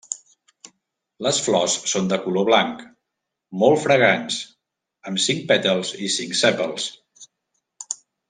Les flors són de color blanc, molt fragants, amb cinc pètals i cinc sèpals.